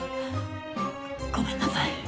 ごめんなさい。